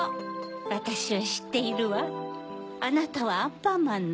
わたしはしっているわあなたはアンパンマンね。